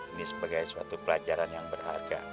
ini sebagai suatu pelajaran yang berharga